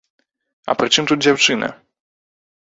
А прычым тут дзяўчына?